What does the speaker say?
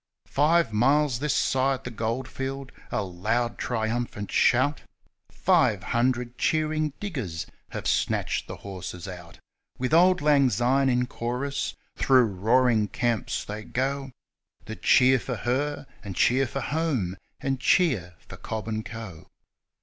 Five miles this side the gold field, a loud, triumphant shout : Five hundred cheering diggers have snatched the horses out : With ' Auld Lang Syne ' in chorus through roaring camps they go That cheer for her, and cheer for Home, and cheer for Cobb and Co.